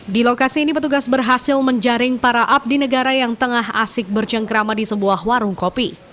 di lokasi ini petugas berhasil menjaring para abdi negara yang tengah asik bercengkrama di sebuah warung kopi